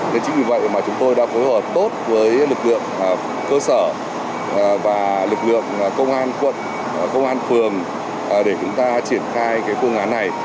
thế chính vì vậy mà chúng tôi đã phối hợp tốt với lực lượng cơ sở và lực lượng công an quận công an phường để chúng ta triển khai cái phương án này